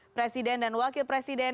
presiden dan wakil presiden